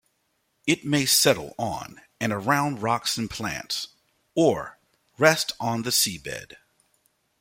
It may settle on and around rocks and plants, or rest on the seabed.